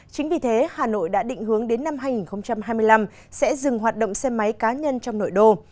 chính vì thế hà nội đã định hướng đến năm hai nghìn hai mươi năm sẽ dừng hoạt động xe máy cá nhân trong nội đô